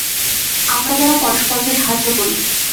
আমরা যেন পরস্পরকে সাহায্য করি।